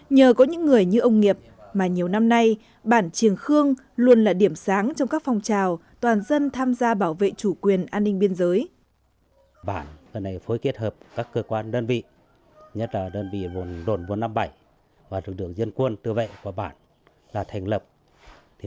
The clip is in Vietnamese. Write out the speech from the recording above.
nhờ có những người như ông nghiệp mà nhiều năm nay bản triềng khương luôn là điểm sáng trong các phong trào toàn dân tham gia bảo vệ chủ quyền an ninh biên giới